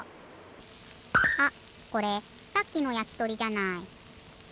あっこれさっきのやきとりじゃない。